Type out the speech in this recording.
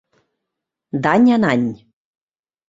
D'any en any.